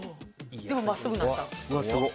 真っすぐになった。